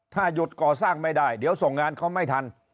ถ้าหยุดก่อสร้างไม่ได้เดี๋ยวส่งงานเขาไม่ทัน